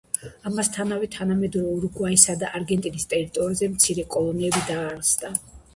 ამასთანავე, თანამედროვე ურუგვაისა და არგენტინის ტერიტორიებზე მცირე კოლონიები დააარსა.